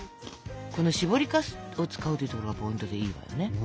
このしぼりかすを使うというところがポイントでいいわよね。